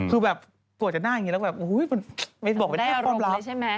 คือแบบสวยจากหน้าอย่างนี้แล้วแบบโอ้โฮไม่ได้อารมณ์เลยใช่ไหม